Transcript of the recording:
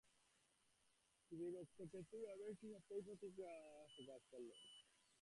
তিনি রক্তকেতু নামে একটি সাপ্তাহিক পত্রিকা প্রকাশ করেন।